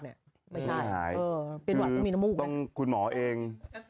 ไม่ใช่คือต้องคุณหมอเอง